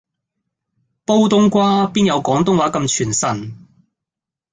煲東瓜邊有廣東話咁傳神